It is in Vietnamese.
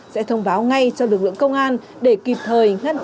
sẽ thông báo ngay cho lực lượng công an để kịp thời ngăn chặn tội phạm